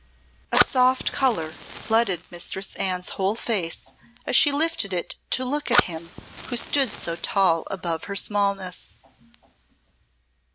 A soft colour flooded Mistress Anne's whole face as she lifted it to look at him who stood so tall above her smallness.